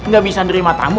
gak bisa nerima tamu